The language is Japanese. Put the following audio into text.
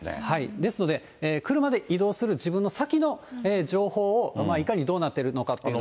ですので、車で移動する自分の先の情報を、いかにどうなってるのかっていうのを。